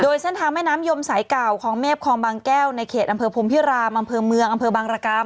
เส้นทางแม่น้ำยมสายเก่าคลองเมฆคลองบางแก้วในเขตอำเภอพรมพิรามอำเภอเมืองอำเภอบางรกรรม